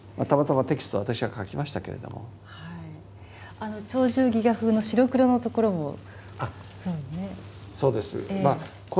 あの「鳥獣戯画」風の白黒のところもそうですね。